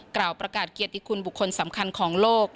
กล่าวประกาศเกียรติคุณบุคคลสำคัญของโลก